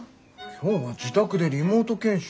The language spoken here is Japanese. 今日は自宅でリモート研修。